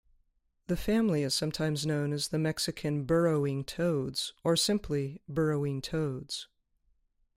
The family is sometimes known as the Mexican burrowing toads or simply burrowing toads.